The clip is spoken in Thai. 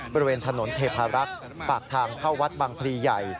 บริเวณถนนเทพารักษ์ปากทางเข้าวัดบางพลีใหญ่